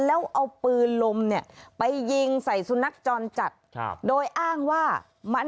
แล้วเอาปืนลมเนี่ยไปยิงใส่สุนัขจรจัดครับโดยอ้างว่ามัน